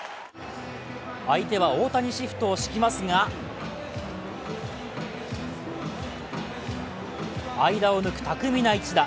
相手は大谷シフトを敷きますが間を抜く巧みな一打。